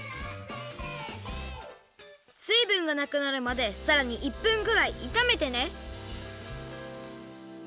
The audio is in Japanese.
すいぶんがなくなるまでさらに１分ぐらいいためてね。